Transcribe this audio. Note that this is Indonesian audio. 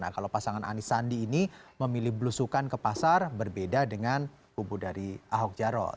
nah kalau pasangan anies sandi ini memilih belusukan ke pasar berbeda dengan kubu dari ahok jarot